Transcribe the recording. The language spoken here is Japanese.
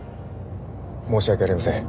申し訳ありません。